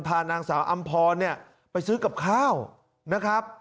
พานางสาวอำพรเนี่ยไปซื้อกับข้าวนะครับ